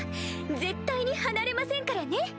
絶対に離れませんからね！